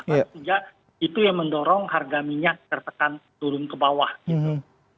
sehingga itu yang mendorong harga minyak tertekan turun ke bawah gitu